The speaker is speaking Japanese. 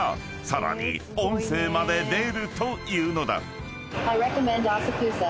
［さらに音声まで出るというのだ］